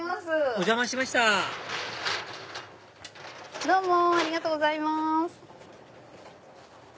お邪魔しましたどうもありがとうございます。